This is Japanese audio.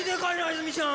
泉ちゃん！